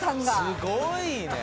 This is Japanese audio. すごいね！